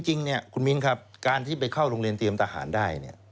จริงเนี่ยคุณมิ้นครับการที่ไปเข้าโรงเรียนเตรียมทหารได้